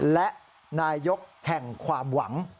และนายกแห่งความหวัง